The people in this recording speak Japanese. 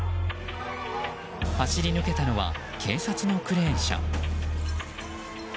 走り抜けたのは警察のクレーン車。